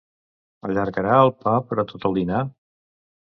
Allargarà el pa per a tot el dinar?